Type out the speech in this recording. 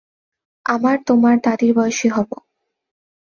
আমার তোমার দাদীর বয়সী হব।